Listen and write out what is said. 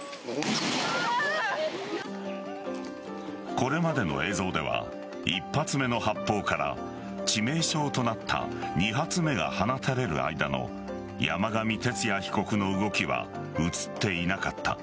これまでの映像では１発目の発砲から致命傷となった２発目が放たれる間の山上徹也被告の動きは映っていなかった。